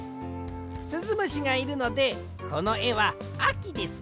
すずむしがいるのでこのえはあきです！